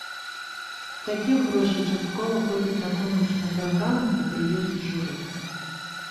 Такіх грошай часткова хопіць на конкурсную праграму і прыезд журы.